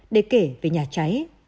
để kể về nhà cháy